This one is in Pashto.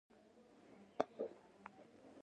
پښتو د ټولو په غږ قوي کېږي.